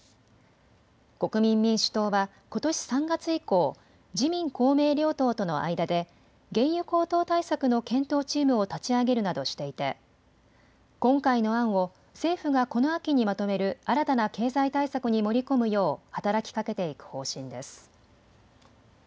国民民主党はことし３月以降、自民公明両党との間で原油高騰対策の検討チームを立ち上げるなどしていて、今回の案を政府がこの秋にまとめる新たな経済対策に盛り込むよう働きかけていく方針です。